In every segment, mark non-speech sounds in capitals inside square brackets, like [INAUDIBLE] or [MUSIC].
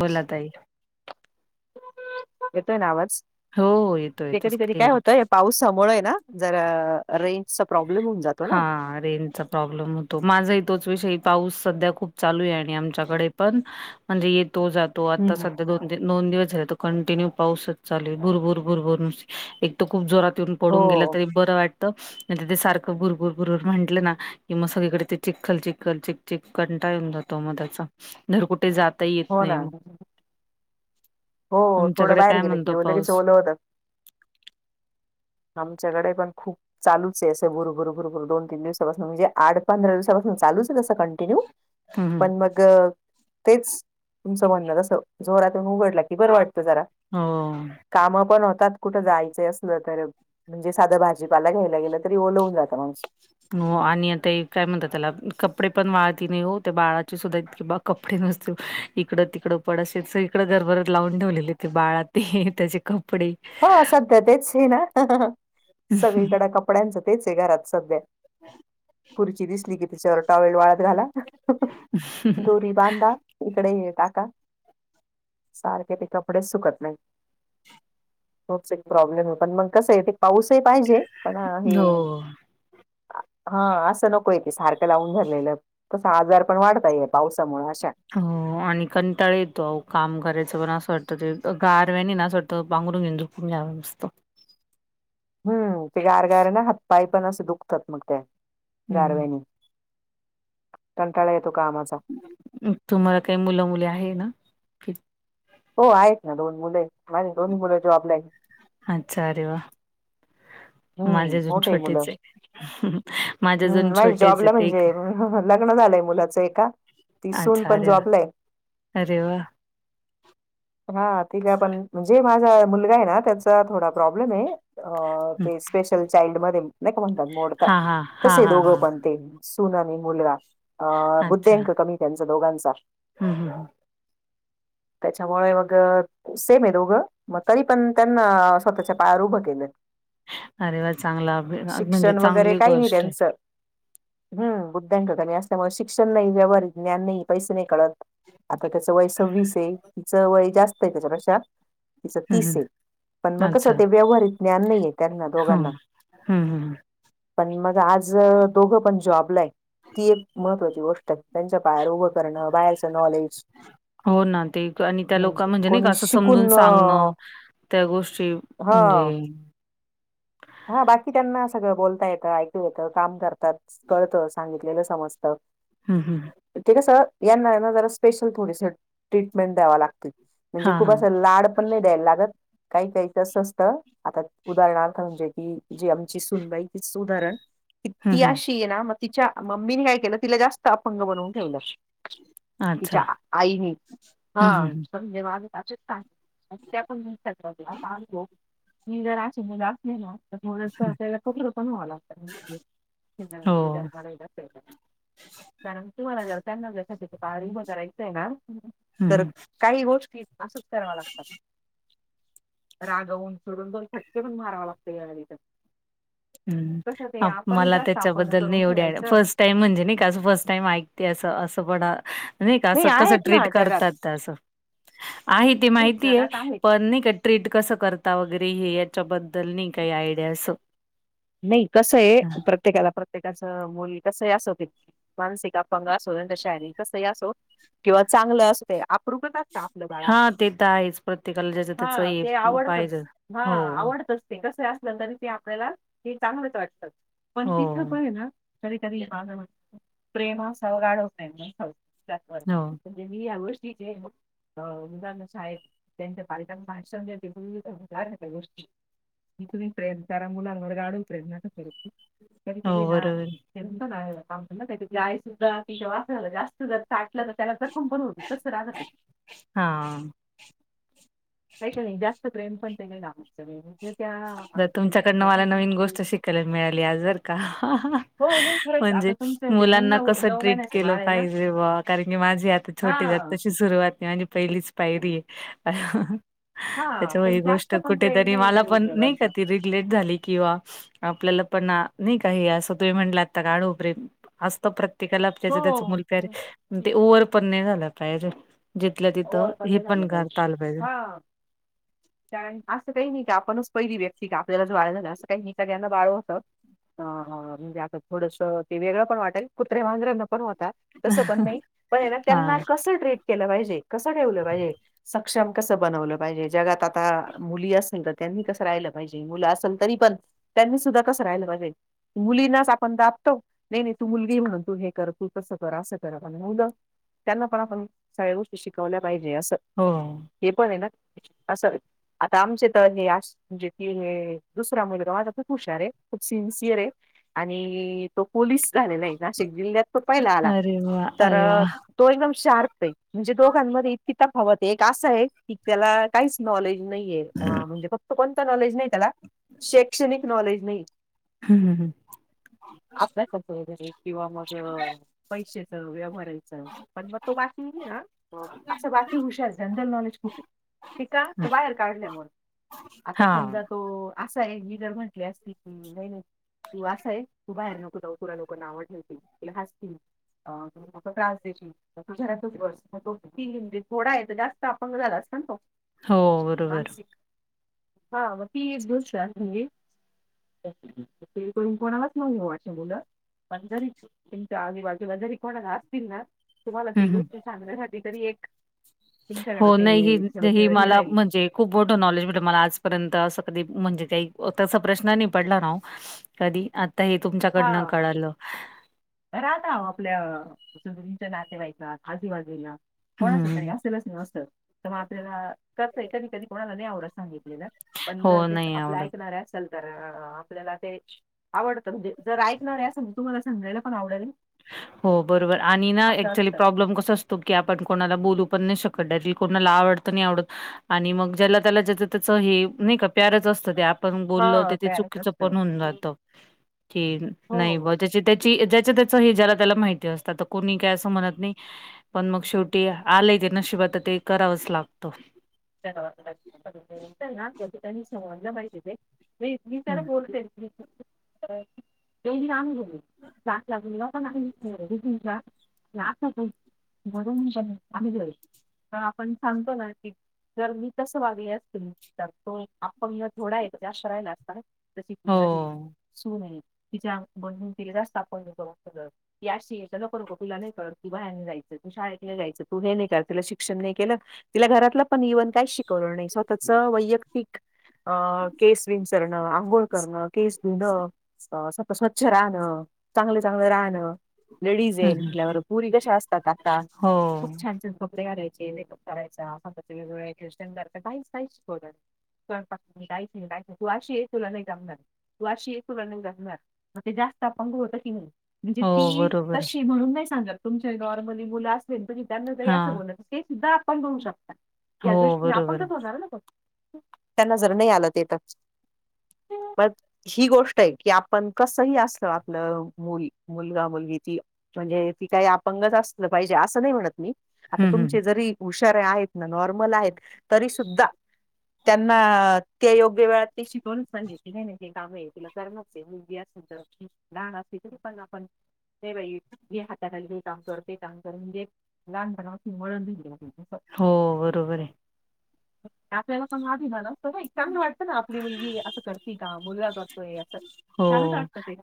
बोल आता? येतोय ना आवाज? हो, हो. येतो, ते येतोच कधी-कधी काय क्लिअर. होतंय, पाऊस समोर आहे ना. जरा रेंजचा प्रॉब्लेम होऊन जातो ना. हा रेंज चा प्रॉब्लेम हो. माझही तोच विषयी पाऊस सध्या खूप चालू आहे, आणि आमच्याकडे पण म्हणजे येतो जोतो. तो हम्म आता हम्म सध्या- म्हणे दोन दिवस झाले तर कंटिन्यू पाऊसच चालय, भरूर भुरभर नुसते एक तर खूप जोरात येऊ, हो पडून गेलं तरी बर वाटत. नाही ते सारखं भुरबुर बरूर म्हटले ना, की मग सगळीकडे ते चिखल-चिखल चिकचिक कंटाळा येऊन जातो. मग त्याचा धड कुठे जाताही येत हो ना नाही मग. हो थोडं तुमच्याकडे बाहेर काय गेलं की, म्हणतो लगेच पाऊस? ओलं होऊन जात. आमच्याकडे पण खूप चालूच आहे असं भुरु भरू भुरु दोन तीन दिवसापासून म्हणजे, आठ पंधरा दिवसापासून चालूच आहे ना कंटिन्यू? हं, हं. पण मग तेच तुमचं म्हणणं, जस जोरातून उघड लागते, बरं वाटतं जरा हो काम पण होतात, कुठं जायचं असल तर, म्हणजे, साधं भाजीपाला घ्यायला गेलं तरी ओल होऊन जातं मग हो आणि आता एक काय म्हणतात त्याला कपडे पण वाळती नाही हो, त्या बाळाची सुद्धा इतकी बघ कपडे नसतू इकडं तिकडं पडश स इकडं घरभरात लावून ठेवलेले ते बाळ, हे त्याचे कपडे हा सध्या तेच हे ना सगळीकड कपड्यांचं तेच आहे घरात सध्या हम [INAUDIBLE] कुरची दिसली की तेच्यावर टॉवेल वाळत घाला, दोरी बांधा. इकडे हे टाका, सारखे ते कपडेच सुकत नाहीत. तोच एक प्रॉब्लेम होता, पण मग कसयं ते पाऊसही पाहिजे पण हे हो. हा असं नकोय ते' सारखं लावून धरलेल. तसा, आजार पण वाढताये, 'पावसामुळं अशा' ''हो आणि कंटाळे येतो काम करायचं, पण असं वाटतं ते गारव्यानी ना असं वाटतं पांगरून घेन झोपून रहावं! राव नुसतं ''.... हम्म, ते गारगार ना, हातपाई पण असं दुखतात मग त्या हम्म गारव्यानी, कंटाळा येतो कामाचा. तुम्हाला काही मुलं- मुली आहे ना? कि- हो आहेत ना, दोन मुलंयत, माझे दोनही मुलं जॉबला आहेत. ''अच्छा अरे वा! '' ''माझे हम्म अजून मोठे मुलं छोटेच आहेत, माझे अजून छोटेच आहेत एक'' ''हं हं लग्न झालंय मुलाचं एका--'' ''ती सुन अच्छा पण अरे वा जॉबलाय. '' अरे वा. हा ठीक आहे पण, जे माझा मुलगा आहे ना त्याचा थोडा प्रॉब्लेम हायं. अ हं. ''ते स्पेशल चाईल्डमध्ये नाही का म्हणतात, मोडतात'' हा हा हा तसे हा दोघं हा पण ते 'सून आणि मुलगा' अ अच्छा बुद्ध्यांक कमी त्यांचा दोघांचा [UNINTELLIGIBLE] त्याचं वय होतं. ''सेम आहे दोघं'', मग तरी पण त्यांना स्वतःच्या पायावर उभं केलयं. ''अरे वा''! चांगलं. शिक्षण वगैरे काही नाही, त्यांचं हम्म बुद्ध्यांक कमी असल्यामुळे शिक्षण नाही, व्यवहारित ज्ञान नाही, पैसे नाही कळत. आता, 'त्याचं वय सव्वीसयं' तिचं वय जास्त आहे त्याच्यापेक्षा ''तिच हं, हं. तीसयं'' पण मग अच्छा. कसं ते व्यवहारित ज्ञान नाही आहे, त्यांना हं, दोघांना हं, हं. पण, मग आज दोघं पण जॉबलायं. ती एक महत्त्वाची गोष्ट हायं, त्यांच्या पायावर उभं करणं बाहेरचं नॉलेज हो ना ते आणि त्या लोका म्हणजे मधे नाही का, कोणी असं समजून शिकून अ, सांगणं त्या गोष्टी म्हणजे हा बाकी त्यांना सगळं बोलता येतं, ऐकू येतं, काम करतात, कळतं, सांगितलेलं समजतं. [INAUDIBLE] ते कसं यांना आहे ना जरा स्पेशल थोडीसं ट्रीटमेंट द्याव लागतयं. म्हणजे हां, खूप हां. असं लाड पण नाही द्यायला लागत काही काही कसं असतं आता उदाहरणार्थ म्हणजे की जी आमची सुनबाई तीच सुदाहरण हं, ती हं. अशी ती आहे ना म तिच्या मम्मीनं काय केलं तिला जास्त अपगं बनवून ठेवलं. अच्छा. तिच्या आईनी हं, हं, हां हं. [INAUDIBLE] मी जर असे मुलास नेलो [UNINTELLIGIBLE] लागत जन्माला हो. येणारच आहे ना. कारण तुम्हाला जर त्यांना ज पहारी उभं करायचंय ना, हम्म, हं, तर हं. काही गोष्टी असंच कराव्या लागतात. रागावून तुडवून दोन फटके पण मारावा लागतात या घडी तर हम्म कसं ते आप आपण मला जास्त आपण त्याच्याबद्दल नाही करून एवढी आयडिया ठेवायचं फर्स्ट टाईम म्हणजे नाही का असं फर्स्ट टाईम ऐकतेय असं असं पण नाही का नाही असं कसं आहेत ना ट्रीट जगात करतात असं आहे ती नाही माहिती आहे जगात आहेत पण नाही का ट्रीट कसं करता वगैरे हे याच्याबद्दल नाही काही आयडिया असं नाही कस आहे हं. प्रत्येकाला प्रत्येकाचं मुल कसं आहे असंते मनसिका अपंग असो नाहीतर शायरी कसा ही असो किंवा चांगलं असते आपरुपत असत आपलं बाळा, हां, ते तर आहेच. प्रत्येकाला ज्याचं त्याचं हा ते हे पाहिजे. आवडतच हा हो, आवडतच ते ते कसं ही असलं तरी ते आपल्याला हे चांगलंच वाटत पण तिथ पण हो, आहे ना कधी कधी [UNINTELLIGIBLE] प्रेम असावं गाढव हो, नसावं [UNINTELLIGIBLE] मी [UNINTELLIGIBLE] अ उदाहरणात शाळेत त्यांच्या पालकांना [UNINTELLIGIBLE] त्या गोष्टी की तुम्ही प्रेम करा मुलांवर गाढव प्रेम नका करू, कधी का हो, होई ना बरोबर. [UNINTELLIGIBLE] जास्त जर [UNINTELLIGIBLE] त्याला तर कंपन होती तस रागते हां. आहे का नाही जास्त प्रेम पण ते [UNINTELLIGIBLE] तसे कलर मिळाले आज बरं का हो नाही खरंच म्हणजे आता तुमचं ते म्हणून मुलांना नऊ कस नऊ ट्रीट महिन्याचं केल बाळ आहे ना पाहिजे बुवा कारण की माझे आता हा छोटी गत तशीच हो सुरुवात आणि पहिलीच पायरी आहे. हा त्याचमुळे ते ही गोष्ट जास्त पण प्रेम कुठेतरी नाही मला काही पण नाही का उपयोगाचं ती रिगलेट झाली किंवा आपल्याला पण नाही का हे असं तुम्ही म्हणालात आया गाढव प्रेम असत प्रत्ये काला त्याच हो मुल प्यार पण ते ओवर पण नाही झालं पायजे जिथलं तिथं ओळ हे नाही झालं पण करता आलं पाहिजे [INAUDIBLE] कारण असं काही नाही की आपणच पहिली व्यक्ती का आपल्यालाच बाळं झाल, असं काही नाही सगळ्यांना बाळ होत. हा हा म्हणजे आता थोडसं ते वेगळं पण वाटेल कुत्रे मांजरांना पण होतात तसं पण नाही, पण आहे ना हा त्यांना कसं ट्रीट केलं पाहिजे, कसं ठेवलं पाहिजे सक्षम कसं बनवलं पाहिजे, जगात आता मुली असेल तर त्यांनी कसं राहिलं पाहिजे, मुलं असेल तरी पण त्यांनी सुद्धा कसं राहालं पाहिजेल मुलींनाच आपण दाबतो नाही नाही तू मुलगी म्हणून तू हे कर तू तसं कर असं कर पण मुलं त्यांना पण आपण सगळ्या गोष्टी शिकवल्या पाहिजे असं. हो. हे पण आहे ना असं आता आमचे तर हे असे म्हणजे तीने दुसरा मुलगा माझा खूप हुशार आहे खूप सिंसिअर आहे आणि तो पोलीस झाललाय, नाशिक जिल्ह्यात तो पहिला आला, अरे वा तर अरे वा. तो एकदम शार्प आहे म्हणजे दोघांमध्ये इतकी तफावतय एक असं आहे, की त्याला काहीच नॉलेज नाहीये, म्हणजे फक्त कोणतं नॉलेज नाही, अ त्याला शैक्षणिक नॉलेज नाहीये. हम्म हम्म हं. अभ्यासाचे वगैरे, किंवा मग पैशाचं व्यवहाराचं, पण मग तो बाकी हा, असं बाकी हुशार जनरल नॉलेज खूप आहे,, ते का? तर बाहेर काढल्या मुळं. हा. तो असाय, एक लिडर म्हटले असतील, की नाई नाही तू अस आहेस, तू बाहेर नको जाऊ तुला लोकं नावं ठेवतील, तुला हासतील. त्रास द्याची तु [UNINTELLIGIBLE] तो थोडा आहे तर जास्त आपंग झाला आसता ना तो. हो, बरोबर. मानसिक,, हा मग ती एक गोष्ट असवी. ते करून कोणालाच नाही वाटश मुलं. पण तरी,, तुमच्या आजूबाजूला जरी कोणाला आसतीन ना तुम्हाला हं, ते हं. गोष्टी सांगण्यासाठी तरी एक हो तुमच्याकडे नाही ते ह थोडस ह हे मला राहील म्हणजे खूप मोठू नॉलेज भेटलं, मला आजपर्यंत असं कधी म्हणजे काही, तसा प्रश्न नाही पडला नाही ना ओ कधी,, आता हे तुमच्याकडनं कळालं. राहतं आओ आपल्या तुमच्या नातेवाईकात, आजूबाजूला, कोणाच हं. तरी असं सेलच ना असं,, मग आपल्याला कधी कधी कसंय कोणाला नाही आवडत सांगितलेलं. पण जर हो, तेचं नाही आपल्या आवडत. ऐकणाऱ्या चल तर आपल्याला ते, आवडतं म्हणजे जर ऐकणार असेल तर ते तुम्हाला समजायला पण आवडेल हो बरोबर, आणि ना असं एकचुली असतं प्रॉब्लेम कसा अस तो की आपण कोणाला बोलू पण नाही शकतेय,, ते कोणाला आवडतं नाही आवडत आणि मग ज्याला त्याला ज्याच त्याच हे नाही का प्यारच असतं ते, आप पण बोललो हा की ते पॅरट चुकीच असतं पण होऊन जातं, की हो नाही हो. बुवा ज्याची त्याची ज्याच त्याच त्याला माहित असतं,, आता कोणी काय असं म्हणत नाही, पण मग शेवटी आलेय ते नशिबात तर ते करावंच लागतं. [UNINTELLIGIBLE] हं [INAUDIBLE] [UNINTELLIGIBLE] [UNINTELLIGIBLE] [UNINTELLIGIBLE] म्हंणून [UNINTELLIGIBLE] [INAUDIBLE] आम्ही घरू तर आपण सांगतो ना की जर मी तसं वागले असते, तर तो अपंग थोडा आहे ततर जास्त राहिला असता ना. [UNINTELLIGIBLE] की हो या न कर नक तुला नाही कळत, ती बाहेर नै जायचं, तू शाळेत नाही जायचं, तू हे नाही कर तिला शिक्षण नाही केलं. तिला घरातलं पण इवन काहीच शिकवलं नाही, स्वतःचं वैयक्तिक अं केस विंचरणं, आंघोळ करणं, केस धुणं, स्वतः स्वच्छ राहणं, चांगलं चांगलं राहणं. लेडीज आहे हं हं म्हटल्यावरती पोरी कशा असतात आता, हो खूप छान छान कपडे घालायचे. करायचा, स्वतः वेगवेगळे्या हेअरस्टाईल करता,, काही काहीच शिकवलं नाही. स्वयंपाक,, तू अशी ये तुला नाही जमणार. तु अशी आहे तुला नाही जमणार, मग ते जास्त आपंग होतं की नाही. म्हणजे हो ती बरोबर तशी म्हणून नाही सांगत, तुमच्या नॉर्मली मुलं तेनी विचारलं तरी, हां एकदा आपण बघू शकता हो या दृष्टीनं, बरोबर आपंगच होणार ना तो. त्यांना जर नाही आलं ते तर, मग ही गोष्ट आहे की आपण कसही असल आपलं मुल मुलगा मुलगी ती, म्हणजे ती काही अपंगच असलं पाहिजे असं नाही म्हणत मी आता हं हं तुमचे जरी हुशार आहेत, नॉर्मल आहेत तरी सुुद्धा- त्यांना ते योग्य वेळात ते शिकवलच पाहिजे, तिलाही माहितीये ते काम आहे ते करनच आहे. मुलगी असली तर [INAUDIBLE] लहान असते तरी पण आपण- नाही बाई ये. ये हाताखाली हे काम कर ते काम- कारण जे लहानपणापासून वळण दिलं की नाही तसं. हो बरोबर हे. आपल्याला पण अधिकार असतो बाई, चांगलं वाटतं ना आपली मुलगी असं करते का, मुलगा करतोय असं छानच हो वाटत ते.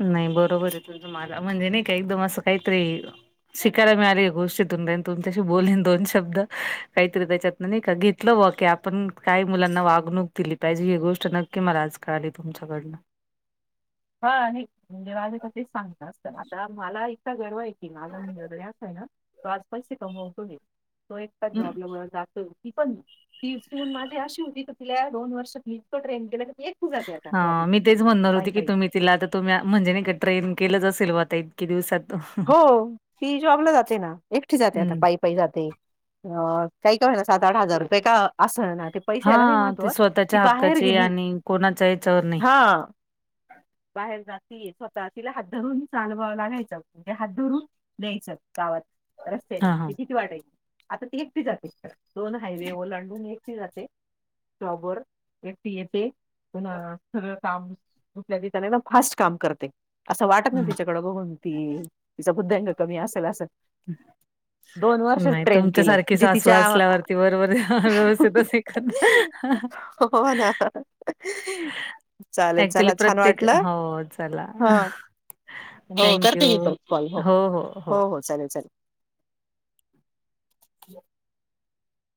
नाही बरोबर आहे तुमच. माझं म्हणजे नाही का एकदम असं काहीतरी- शिकायला मिळाली या गोष्टीतून ताई तुमच्याशी बोलले ना दोन शब्द काहीतरी त्याच्यात- नाही का घेतलं बुवा की आपण काय मुलांना वागणूक दिली पाहिजे हे गोष्ट नक्की मला आज- कळली तुमच्याकडनं. हा आणि म्हणजे [UNINTELLIGIBLE] तेच सांगत असतात आता मलाही- गर्व आहे की माझा [UNINTELLIGIBLE] आहे ना तो आज पैसे कमवतोय तो एक- काही प्रॉब्लेममुळे जात. ती पण, ती सून माझी अशी होती का- तिला दोन वर्षात मी इतकं ट्रेन केल की ती एक - हा मी तेच म्हणणार होती की तुम्ही तिला आता तुम्ही म्हणजे नाही का ट्रेन केलंच असेल बुवा ते. इतक्या दिवसात. हो. ती जॉबला जाते ना, एकटी जाते आता हं. पायी. पायी जाते. अ काही का होइना, सात आठ हजार रुपये का असना ते- पैशाला नाही हां, महत्व, ती स्वतःच्या बाहेर हक्काची गेली आणि कोणाच्या ह्याच्यावर नाही. हा. बाहेर जातीये स्वतः, तिला हात धरून चालवाव लागायच. म्हणजे हात धरून न्यायचं गावात रस्त्याने हां, हां. हे किती वाईटहे. आता ती एकटी जाते, दोन हायवे ओलांडून एकटी जाते, जॉब वर. एकटी येते पुन्हा सगळं काम तिथल्या तिथे, एकदम फास्ट काम करते. असं वाटत नाही हं. तिच्याकडं बघून कि तिचा बुद्ध्यांक कमी असेल असं. दोन वर्ष नाही ट्रेन केलं तुमच्यासारखी जे सासू तिच्या असल्यावर ती बरोबर व्यवस्थितच- ह ह ह ह हो ना चालेल ऍक्चुली चला छान प्रत्येक, वाटलं हो चला. हा हो थँक करते यू. मी परत कॉल हो. हो हो चालेल चालेल. [INAUDIBLE]